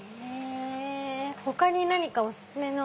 他に何かお薦めの。